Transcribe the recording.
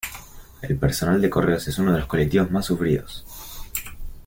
El personal de correos es uno de los colectivos más sufridos.